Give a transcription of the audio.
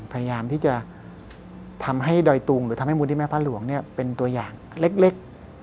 พยายามที่จะทำให้ดอยตุงหรือทำให้มูลที่แม่พระหลวงเป็นตัวอย่างเล็ก